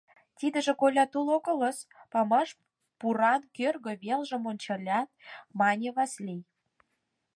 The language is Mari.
— Тидыже колятул огылыс, — памаш пуран кӧргӧ велжым ончалят, мане Васлий.